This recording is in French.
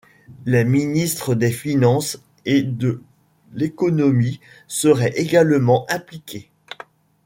Les ministres des Finances et de l’Économie seraient également impliqués.